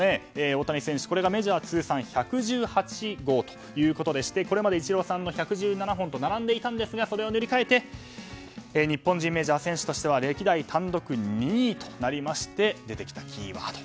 大谷選手、これがメジャー通算１１８号ということでしてこれまでイチローさんの１１７本と並んでいたんですがそれを塗り替えて日本人メジャー選手としては歴代単独２位となりまして出てきたキーワード。